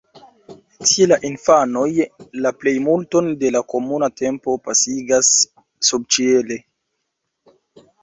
Tie la infanoj la plejmulton de la komuna tempo pasigas subĉiele.